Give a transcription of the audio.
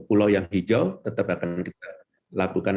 pulau yang hijau tetap akan kita lakukan